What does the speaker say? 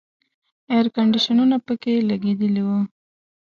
اییر کنډیشنونه پکې لګېدلي وو.